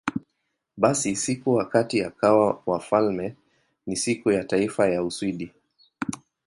Basi, siku wakati akawa wafalme ni Siku ya Taifa ya Uswidi.